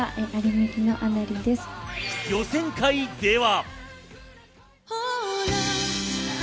予選会では。